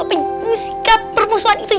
apa yang sikap permusuhan itu